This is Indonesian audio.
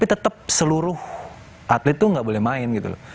tetep seluruh atlet tuh gak boleh main gitu loh